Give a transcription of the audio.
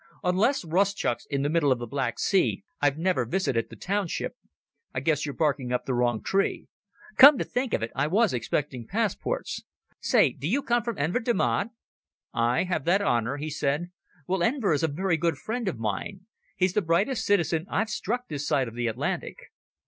Unless Rustchuk's in the middle of the Black Sea I've never visited the township. I guess you're barking up the wrong tree. Come to think of it, I was expecting passports. Say, do you come from Enver Damad?" "I have that honour," he said. "Well, Enver is a very good friend of mine. He's the brightest citizen I've struck this side of the Atlantic."